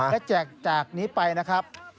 และแจกจากนี้ไปนะครับ